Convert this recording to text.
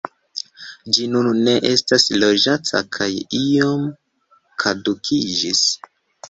Ĝi nun ne estas loĝata kaj iom kadukiĝis.